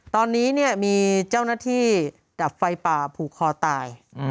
ตอนนี้มีเจ้าหน้าที่ดับไฟป่าผูกคอตาย